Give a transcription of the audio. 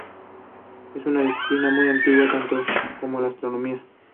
Es una disciplina muy antigua, tanto como la astronomía.